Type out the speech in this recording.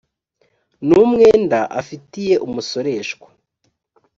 n umwenda afitiye umusoreshwa